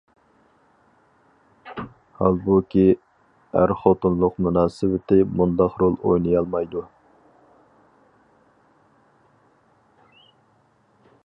ھالبۇكى، ئەر-خوتۇنلۇق مۇناسىۋىتى مۇنداق رول ئوينىيالمايدۇ.